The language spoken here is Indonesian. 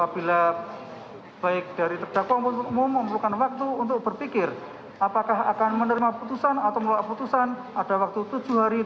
tujuh buah kartu tanda penduduk atas nama anak korban sembilan belas